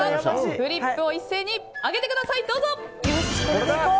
フリップを一斉に上げてくださいどうぞ！